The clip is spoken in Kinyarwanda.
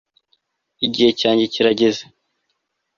igihe cyanjye kirageze